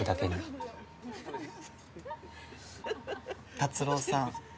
辰郎さん